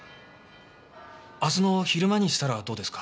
明日の昼間にしたらどうですか？